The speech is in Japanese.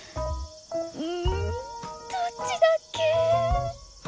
うどっちだっけ？